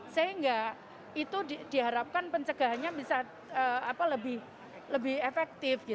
sehingga itu diharapkan pencegahannya bisa lebih efektif